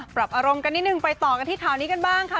ปรับอารมณ์กันนิดนึงไปต่อกันที่ข่าวนี้กันบ้างค่ะ